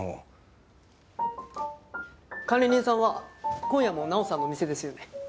管理人さんは今夜もナオさんの店ですよね？